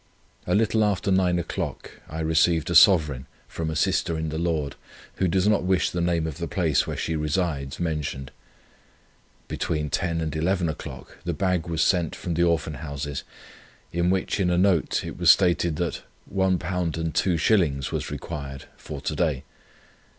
"A little after nine o'clock I received a sovereign from a sister in the Lord, who does not wish the name of the place, where she resides, mentioned. Between ten and eleven o'clock the bag was sent from the Orphan Houses, in which in a note it was stated that £1 2s. was required for to day.